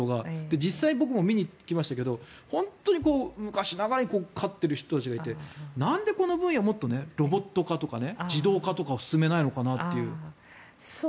実際、僕も見に行きましたけど本当に昔ながらに刈っている人たちがいてなんでこの分野をもっと自動化とかロボット化を進めないのかなという。